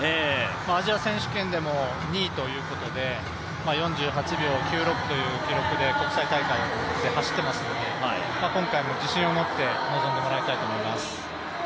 アジア選手権でも２位ということで４８秒９６という記録で国際大会で走ってますので今回も自信を持って臨んでもらいたいと思います。